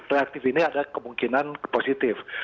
reaktif ini ada kemungkinan positif